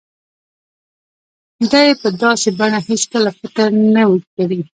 ده يې په داسې بڼه هېڅکله فکر نه و کړی.